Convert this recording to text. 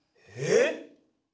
えっ！？